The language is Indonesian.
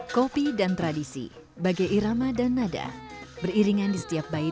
kopi dan tradisi